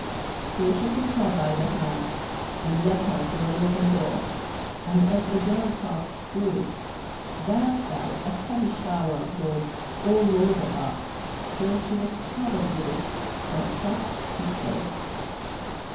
So she took her by the hand and led her to an open door, and as the girl passed through it there fell a heavy shower of gold all over her, till she was covered with it from top to toe.